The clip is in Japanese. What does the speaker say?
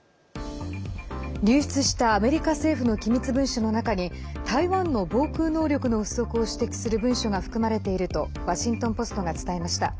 流出したアメリカ政府の機密文書の中に台湾の防空能力の不足を指摘する文書が含まれているとワシントン・ポストが伝えました。